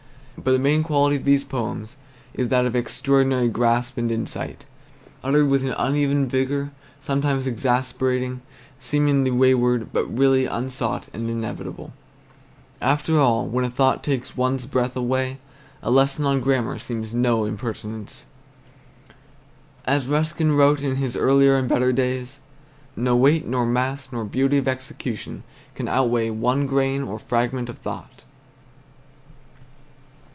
But the main quality of these poems is that of extraordinary grasp and insight, uttered with an uneven vigor sometimes exasperating, seemingly wayward, but really unsought and inevitable. After all, when a thought takes one's breath away, a lesson on grammar seems an impertinence. As Ruskin wrote in his earlier and better days, "No weight nor mass nor beauty of execution can outweigh one grain or fragment of thought."